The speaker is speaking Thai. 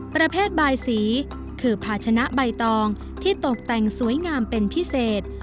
ประเภทบายสีคือภาชนะใบตองที่ตกแต่งสวยงามเป็นพิเศษ